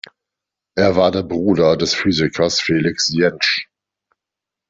Er war der Bruder des Physikers Felix Jentzsch.